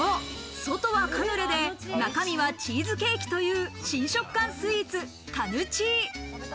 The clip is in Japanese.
外はカヌレで中身はチーズケーキという新食感スイーツ・カヌチー。